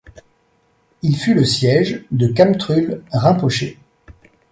Il fut le siège de Khamtrul Rinpoché.